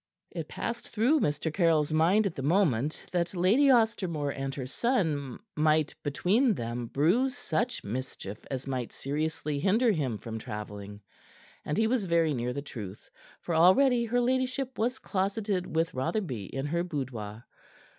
It passed through Mr. Caryll's mind at the moment that Lady Ostermore and her son might between them brew such mischief as might seriously hinder him from travelling, and he was very near the truth. For already her ladyship was closeted with Rotherby in her boudoir.